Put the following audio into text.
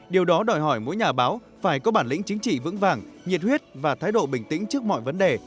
điều đó đòi hỏi mỗi nhà báo phải có bản lĩnh chính trị vững vàng nhiệt huyết và thái độ bình tĩnh trước mọi vấn đề